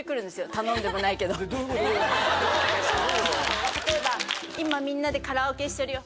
頼んでもないけど例えば「今みんなでカラオケしてるよ」